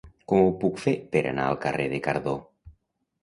Com ho puc fer per anar al carrer de Cardó?